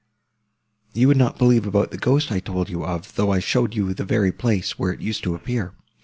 You would not believe about the ghost I told you of, though I showed you the very place, where it used to appear!